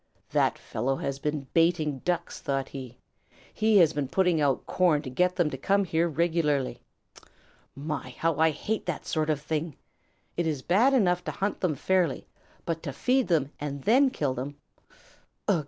"That fellow has been baiting Ducks," thought he. "He has been putting out corn to get them to come here regularly. My, how I hate that sort of thing! It is bad enough to hunt them fairly, but to feed them and then kill them ugh!